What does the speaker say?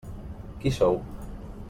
Qui sou?